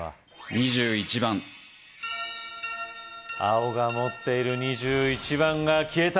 ２１番青が持っている２１番が消えた